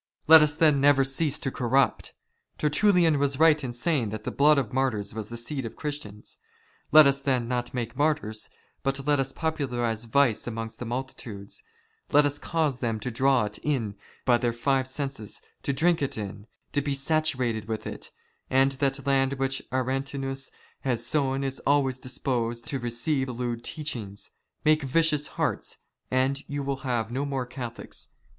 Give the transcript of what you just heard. Let us then never *' cease to corrupt. Tertullian was right in sayhig, that the " blood of martyrs was the seed of Christians. It is decided in " our councils, and we do not desire any more Christians. Let " us, then, not make martyrs, but let us popularise vice amongst " the multitudes. Let us cause them to draw it m by their five " senses ; to drink it in ; to be saturated with it ; and that land ^' which Aretinus has sown is always disposed to receive lewd " teachings. Make vicious hearts, and you will have no more " Catholics.